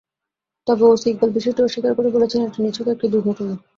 তবে ওসি ইকবাল বিষয়টি অস্বীকার করে বলেছেন, এটি নিছক একটি দুর্ঘটনা।